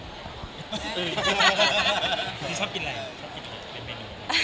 นี่ชอบกินอะไรชอบกินเมนู